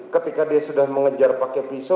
ketika dia sudah mengejar pakai pisau